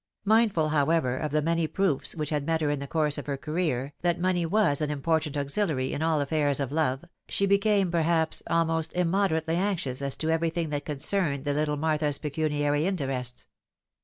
Mindful, however, of the many proofs which had met her in the course of her career, that money was an iinportant auxiliary in all affairs of love, she became, perhaps, almost immoderately anxious as to everything that concerned the little Martha's pecuniary interests.